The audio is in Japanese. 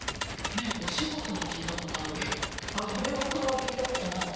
お仕事は聞いたことあるけど食べごとは聞いたことないわね。